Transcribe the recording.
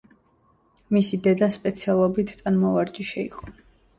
მისი დედა სპეციალობით ტანმოვარჯიშე იყო.